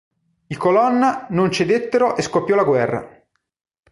I Colonna non cedettero e scoppiò la guerra.